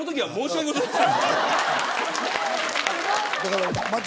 はい。